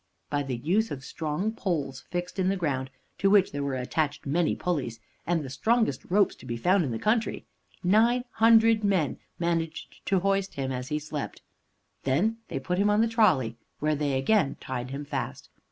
By the use of strong poles fixed in the ground, to which were attached many pulleys, and the strongest ropes to be found in the country, nine hundred men managed to hoist him as he slept. They then put him on the trolley, where they again tied him fast.